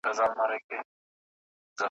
غم ته به مي شا سي، وايي بله ورځ ,